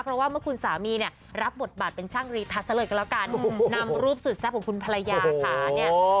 เพราะว่าเมื่อคุณสามีเนี่ยรับบทบาทเป็นช่างรีทัศน์ซะเลยก็แล้วกันนำรูปสุดแซ่บของคุณภรรยาค่ะเนี่ย